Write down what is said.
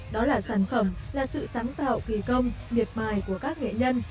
đó là sản phẩm là sự sáng tạo kỳ công nghiệp bài của các nghệ nhân